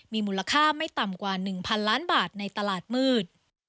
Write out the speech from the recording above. มีมูลค่าไม่ต่ำกว่า๑๐๐ล้านบาทในตลาดมืด